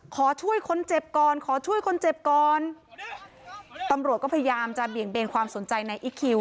ขอช่วยคนเจ็บก่อนขอช่วยคนเจ็บก่อนตำรวจก็พยายามจะเบี่ยงเบนความสนใจในอีคคิว